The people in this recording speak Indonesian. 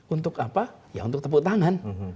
untuk apa ya untuk tepuk tangan